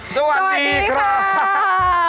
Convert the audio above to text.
สวัสดีครับ